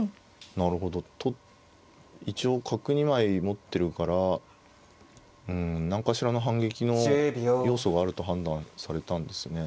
なるほど一応角２枚持ってるからうん何かしらの反撃の要素があると判断されたんですね。